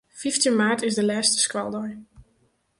Fyftjin maart is de lêste skoaldei.